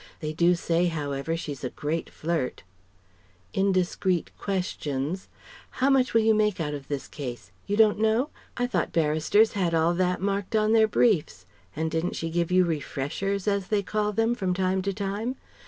They do say however she's a great flirt..." Indiscreet questions: "How much will you make out of this case? You don't know? I thought barristers had all that marked on their briefs? And didn't she give you 'refreshers,' as they call them, from time to time?